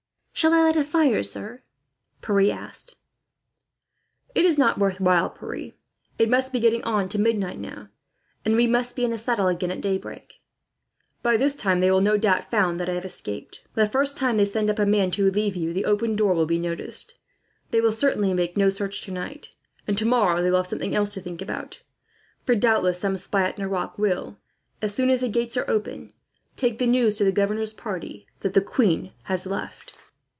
"Shall I light a fire, sir?" Pierre asked. "It is not worth while, Pierre. It must be getting on for midnight now, and we must be in the saddle again, at daybreak. By this time they have, no doubt, found that I have escaped. The first time they send up a man to relieve you, the open door will be noticed. They will certainly make no search tonight, and tomorrow they will have something else to think about; for doubtless some spy at Nerac will, as soon as the gates are open, take the news to the governor's party that the queen has left."